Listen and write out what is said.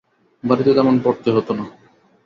বাড়িতে তেমন পড়তে হতো না।